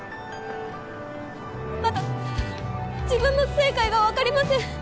まだ自分の正解がわかりません。